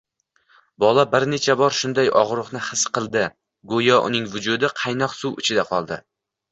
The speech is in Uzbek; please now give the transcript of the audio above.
Bola bir necha bor shunday ogʻriqni his qildigoʻyo uning vujudi qaynoq suv ichida qoldi